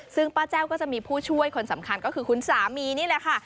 ซึ่งป้าแจ้วก็จะมีผู้ช่วยคนสำคัญก็คือคุณสามีนี่แหละค่ะ